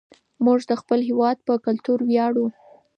موږ د خپل هېواد په کلتور ویاړو.